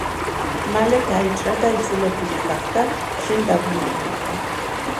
მალე დაიჭრა და იძულებული გახდა შინ დაბრუნებულიყო.